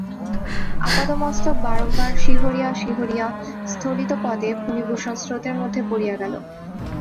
আপাদমস্তক বারম্বার শিহরিয়া শিহরিয়া স্খলিতপদে ফণিভূষণ স্রোতের মধ্যে পড়িয়া গেল।